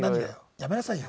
やめなさいよ。